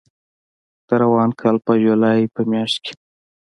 د روان کال په جولای په میاشت کې